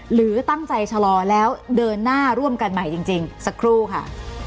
หรือตั้งใจชะลอแล้วเดินหน้าร่วมกันใหม่จริงสักครู่ค่ะ